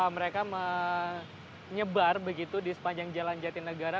mereka menyebar begitu di sepanjang jalan jatinegara